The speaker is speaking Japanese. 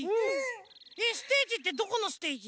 ステージってどこのステージ？